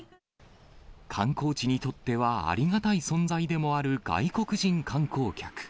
観光地にとってはありがたい存在でもある外国人観光客。